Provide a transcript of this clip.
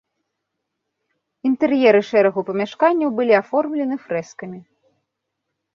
Інтэр'еры шэрагу памяшканняў былі аформлены фрэскамі.